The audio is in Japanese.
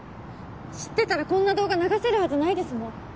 知ってたらこんな動画流せるはずないですもん。